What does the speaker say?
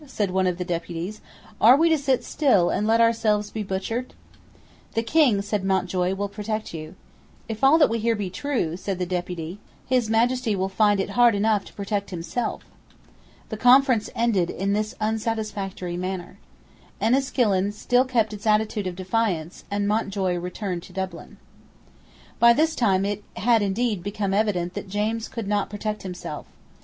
said one of the deputies; "Are we to sit still and let ourselves be butchered?" "The King," said Mountjoy, "will protect you." "If all that we hear be true," said the deputy, "his Majesty will find it hard enough to protect himself." The conference ended in this unsatisfactory manner. Enniskillen still kept its attitude of defiance; and Mountjoy returned to Dublin, By this time it had indeed become evident that James could not protect himself.